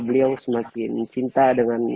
beliau semakin cinta dengan